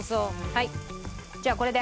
はいじゃあこれで。